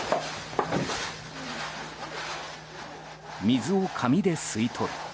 水を紙で吸い取る。